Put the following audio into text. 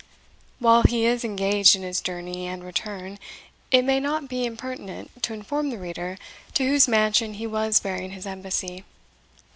While he is engaged in his journey and return, it may not be impertinent to inform the reader to whose mansion he was bearing his embassy.